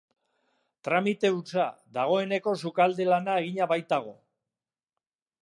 Tramite hutsa, dagoeneko sukalde-lana egina baitago.